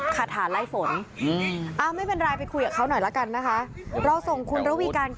เขายืนยันบอกว่า